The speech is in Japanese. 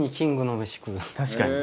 確かに。